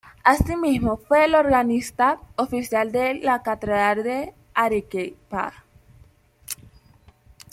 Asimismo, fue el organista oficial de la Catedral de Arequipa.